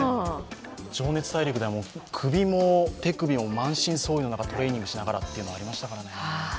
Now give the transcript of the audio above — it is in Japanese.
「情熱大陸」でも首も手首も満身創痍でトレーニングしながらというのありましたからね。